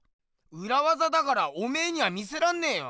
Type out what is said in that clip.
うらわざだからおめえには見せらんねえよ。